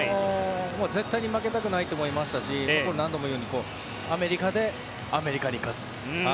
絶対に負けたくないと思いましたし何度も言うようにアメリカでアメリカに勝つ。